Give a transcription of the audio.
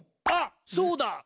あっそうだ！